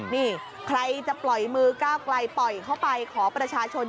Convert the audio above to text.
นี่ใครจะปล่อยมือก้าวไกลปล่อยเข้าไปขอประชาชน